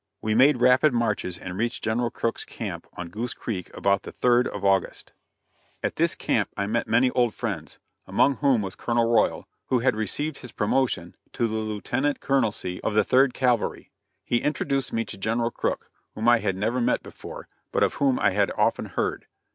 We made rapid marches and reached General Crook's camp on Goose Creek about the 3d of August. At this camp I met many old friends, among whom was Colonel Royal, who had received his promotion to the Lieutenant Colonelcy of the Third Cavalry. He introduced me to General Crook, whom I had never met before, but of whom I had often heard.